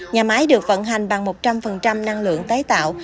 nhà máy được vận hành bằng một trăm linh năng lượng tái tạo